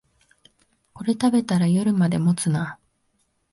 これ食べたら夜まで持つな